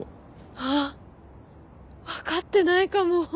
あぁ分かってないかも。